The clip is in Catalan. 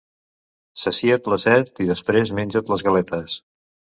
Sacia't la set i després menja't les galetes.